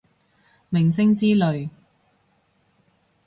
明星之類